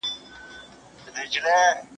دولتونه بايد د بشري حقونو ساتنه وکړي.